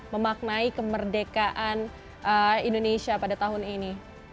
memaknai kemerdekaan indonesia pada tahun ini